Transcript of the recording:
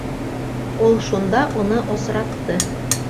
Ул шунда уны осратты.